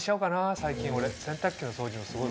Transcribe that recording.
最近俺洗濯機の掃除もすごい。